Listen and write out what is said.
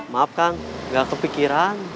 maaf kang gak kepikiran